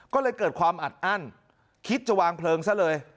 ก็เลยเกิดความอัดอั้นคิดจะวางเพลิงซะเลย